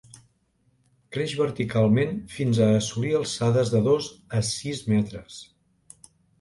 Creix verticalment fins a assolir alçades de dos a sis metres.